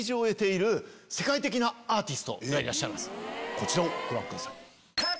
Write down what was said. こちらをご覧ください。